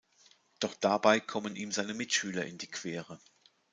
Doch dabei kommen ihm seine Mitschüler in die Quere.